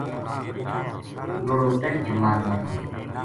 لُڑو پہلی جماعت ما تھو